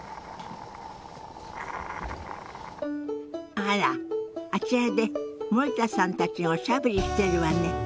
あらあちらで森田さんたちがおしゃべりしてるわね。